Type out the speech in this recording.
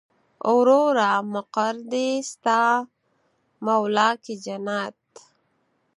وروره مقر دې ستا مولا کې جنت.